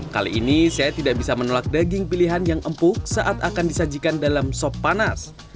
kali ini saya tidak bisa menolak daging pilihan yang empuk saat akan disajikan dalam sop panas